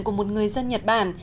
của một người dân nhật bản